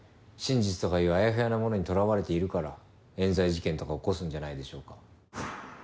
真実とかいうあやふやなものにとらわれているから冤罪事件とか起こすんじゃないでしょうか。